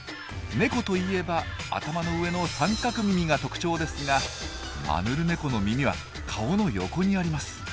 ネコといえば頭の上の三角耳が特徴ですがマヌルネコの耳は顔の横にあります。